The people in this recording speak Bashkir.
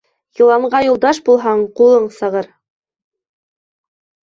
Йыланға юлдаш булһаң, ҡулың сағыр.